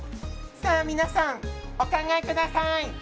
皆さん、お考えください。